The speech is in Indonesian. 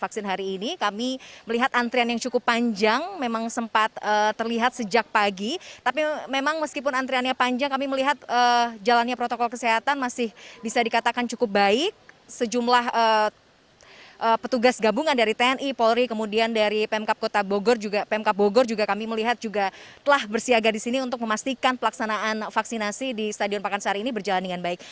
bisa dikatakan cukup baik sejumlah petugas gabungan dari tni polri kemudian dari pmkp bogor juga kami melihat juga telah bersiaga disini untuk memastikan pelaksanaan vaksinasi di stadion pakansari ini berjalan dengan baik